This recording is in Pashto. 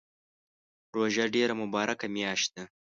روژه ډیره مبارکه میاشت ده